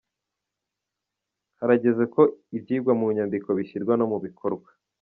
Harageze ko ibyigwa mu nyandiko bishyirwa no mu bikorwa